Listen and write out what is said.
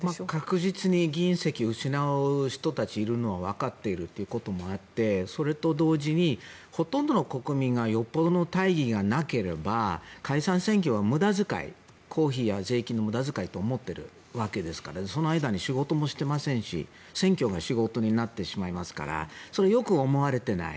確実に議員席を失う人たちがいるのはわかっているということもあってそれと同時に、ほとんどの国民が与党の大義がなければ解散選挙は無駄遣い公費や税金の無駄遣いと思っているわけですからその間に仕事もしていませんし選挙が仕事になってしまいますからよく思われていない。